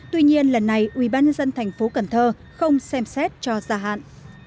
tuy nhiên lần này ubnd tp cần thơ không xem xét cho gia hạn